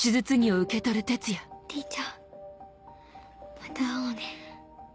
また会おうね。